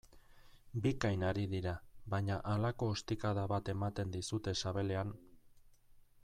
Bikain ari dira, baina halako ostikada bat ematen dizute sabelean...